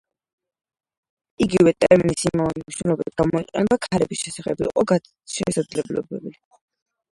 იგივე ტერმინის იმავე მნიშვნელობით გამოყენება ქალების შესახებაც იყო შესაძლებელი.